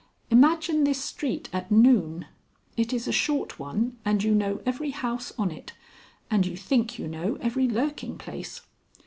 Imagine this street at noon. It is a short one, and you know every house on it, and you think you know every lurking place.